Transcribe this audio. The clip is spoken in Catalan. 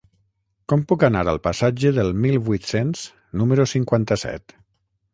Com puc anar al passatge del Mil vuit-cents número cinquanta-set?